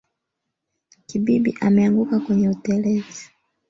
Kibibi ameanguka kwenye utelezi